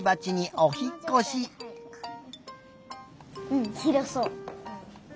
うんひろそう。